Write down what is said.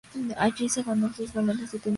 Allí se ganó sus galones de teniente coronel.